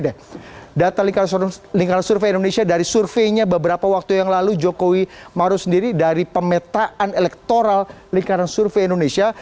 data lingkaran survei indonesia dari surveinya beberapa waktu yang lalu jokowi maruf sendiri dari pemetaan elektoral lingkaran survei indonesia